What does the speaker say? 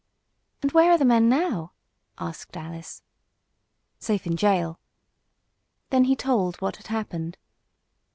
"And where are the men now?" asked Alice. "Safe in jail." Then he told what had happened.